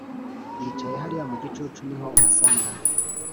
bicaye hariya mu gicucu niho ubansanga